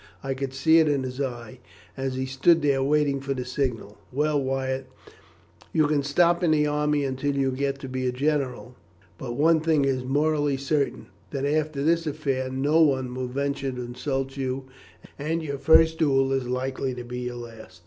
I could see it in his eye, as he stood there waiting for the signal. Well, Wyatt, you can stop in the army until you get to be a general, but one thing is morally certain, that after this affair no one will venture to insult you, and your first duel is likely to be your last."